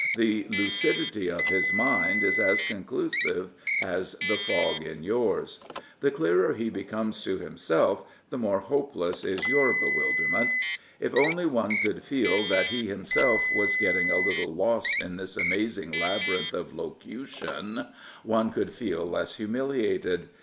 The lucidity of his mind is as conclusive as the fog in yours. The clearer he becomes to himself, the more hopeless is your bewilderment. If only one could feel that he himself was getting a little lost in this amazing labyrinth of locution, one would feel less humiliated.